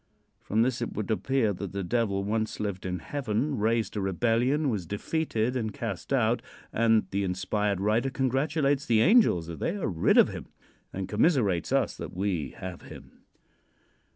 From this it would appear that the Devil once lived in heaven, raised a rebellion, was defeated and cast out, and the inspired writer congratulates the angels that they are rid of him and commiserates us that we have him.